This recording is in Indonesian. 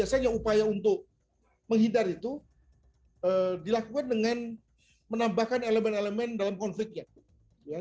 biasanya upaya untuk menghindar itu dilakukan dengan menambahkan elemen elemen dalam konfliknya